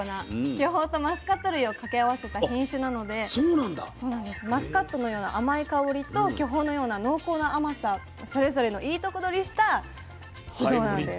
巨峰とマスカット類を掛け合わせた品種なのでマスカットのような甘い香りと巨峰のような濃厚な甘さそれぞれのいいとこ取りしたぶどうなんです。